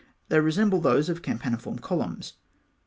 They resemble those of the campaniform columns.